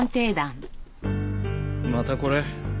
またこれ？